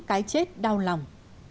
cái chết đau lòng